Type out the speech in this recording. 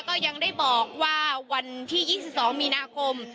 ก็ยังได้บอกว่าวันที่๒๒มีนาคม